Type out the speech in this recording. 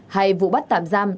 hay vụ bắt tạm giam